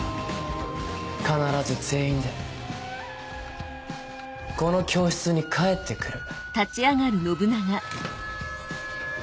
必ず全員でこの教室に帰って来る。